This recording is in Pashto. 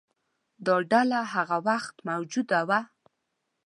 دا ډله له هغه وخته موجوده ده.